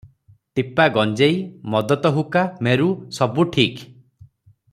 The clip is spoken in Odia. ଟିପା ଗଞ୍ଜେଇ – ମଦତ ହୁକା – ମେରୁ, ସବୁ ଠିକ୍ ।